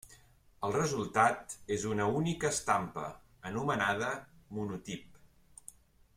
El resultat és una única estampa, anomenada monotip.